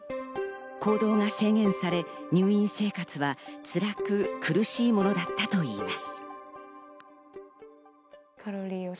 行動が制限され入院生活はつらく苦しいものだったといいます。